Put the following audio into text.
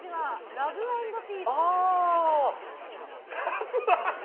ラブ＆ピースね。